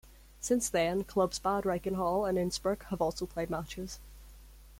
Since then clubs Bad Reichenhall and Innsbruck have also played matches.